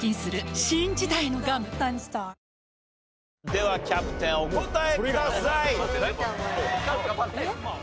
ではキャプテンお答えください。